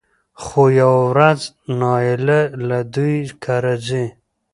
خو يوه ورځ نايله له دوی کره ځي